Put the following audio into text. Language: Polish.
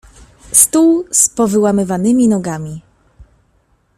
Stół z powyłamywanymi nogami.